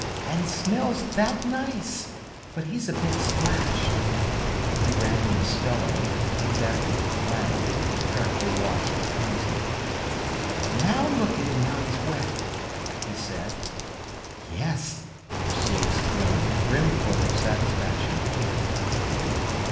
"And smells that nice! But he's a bit splashed." He ran in the scullery, came back with the flannel, and carefully washed the pansy. "Now look at him now he's wet!" he said. "Yes!" she exclaimed, brimful of satisfaction.